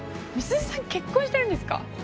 美鈴さん結婚してるんですか！？